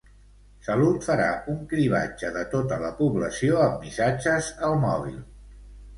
Salut farà un cribratge de tota la població amb missatges al mòbil.